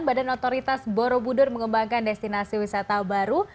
badan otoritas borobudur mengembangkan destinasi wisata baru